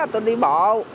tôi đi bộ